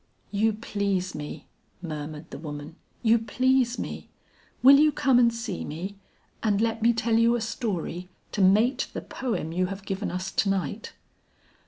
"You please me," murmured the woman, "you please me; will you come and see me and let me tell you a story to mate the poem you have given us to night?"